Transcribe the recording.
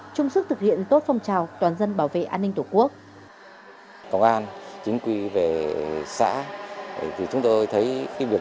trung sức thực hiện tốt phong trào toàn dân bảo vệ an ninh tổ quốc